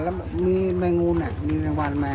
แล้วมีแมงงูเนี่ยมีแมงวานไหม